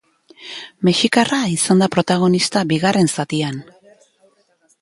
Mexikarra izan da protagonista bigarren zatian.